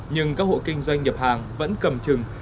nhưng các hộ kinh doanh nhập hàng vẫn cầm chừng